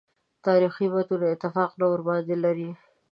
تاریخي متون اتفاق نه ورباندې لري.